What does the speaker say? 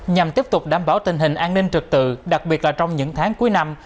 nhằm tiếp tục đảm bảo tình hình an ninh trực tự đặc biệt là trong những tháng cuối năm